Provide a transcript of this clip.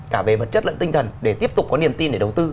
cả về vật chất lẫn tinh thần để tiếp tục có niềm tin để đầu tư